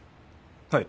はい。